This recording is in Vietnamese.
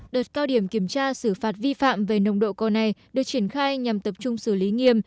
đợt cao điểm kiểm tra xử phạt vi phạm về nồng độ cồn này được triển khai nhằm tập trung xử lý nghiêm